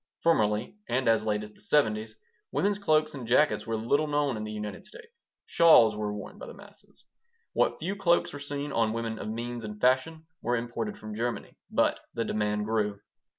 Formerly, and as late as the '70's, women's cloaks and jackets were little known in the United States. Shawls were worn by the masses. What few cloaks were seen on women of means and fashion were imported from Germany. But the demand grew.